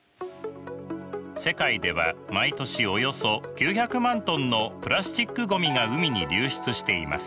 世界では毎年およそ９００万ｔのプラスチックごみが海に流出しています。